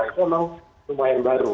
itu memang lumayan baru